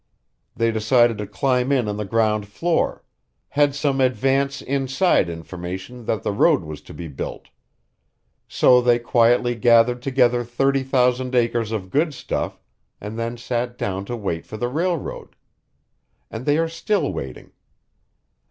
They decided to climb in on the ground floor had some advance, inside information that the road was to be built; go they quietly gathered together thirty thousand acres of good stuff and then sat down to wait for the railroad, And they are still waiting.